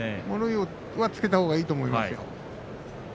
物言いはつけたほうがいいと思います。